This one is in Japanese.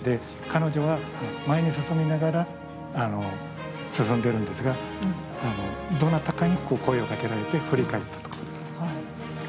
彼女は前に進みながら進んでるんですがどなたかにこう声をかけられて振り返ったと。